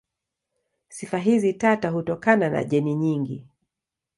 Sifa hizi tata hutokana na jeni nyingi.